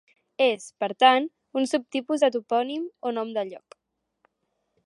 És, per tant, un subtipus de topònim o nom de lloc.